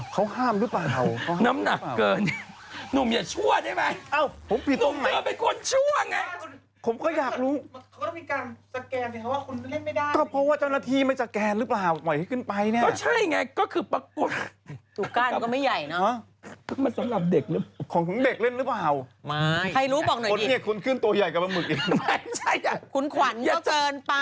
เค้าปล่อยเดี๋ยวก็ขอน้องที่เจ็บบาดเจ็บบ่อยเจ๊